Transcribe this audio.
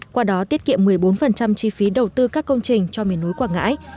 qua đó tiết kiệm một mươi bốn chi phí đầu tư các công trình cho miền núi quảng ngãi